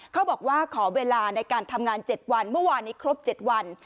เขาบอกว่าขอเวลาในการทำงาน๗วันเมื่อวานนี้ครบ๗วัน